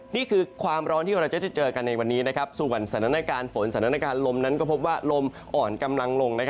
นี่คือความร้อนที่เราจะเจอกันในวันนี้ส่วนสถานการณ์ฝนสถานการณ์ลมนั้นก็พบว่าลมอ่อนกำลังลง